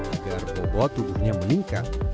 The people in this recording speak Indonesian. agar bobot tubuhnya meningkat